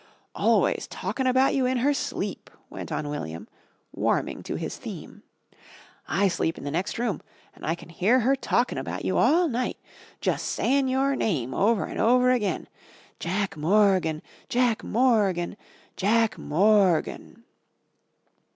"Always talkin' about you in her sleep," went on William, warming to his theme. "I sleep in the next room and I can hear her talkin' about you all night. Jus' sayin' your name over and over again. 'Jack Morgan, Jack Morgan, Jack Morgan.'"